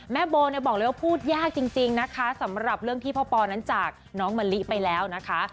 โบเนี่ยบอกเลยว่าพูดยากจริงนะคะสำหรับเรื่องที่พ่อปอนั้นจากน้องมะลิไปแล้วนะคะ